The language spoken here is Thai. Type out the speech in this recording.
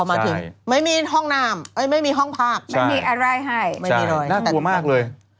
ไม่มีห้องน้ำไม่มีห้องพักไม่มีอะไรให้น่ากลัวมากเลย